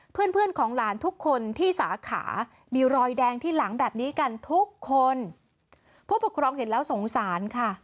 เพื่อนเพื่อนของหลานทุกคนที่สาขามีรอยแดงที่หลังแบบนี้กันทุกคนผู้ปกครองเห็นแล้วสงสารค่ะ